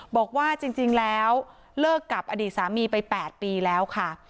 บอกว่าจริงแล้วเลิกกับอดีตสามีไป๘ปีแล้วค่ะ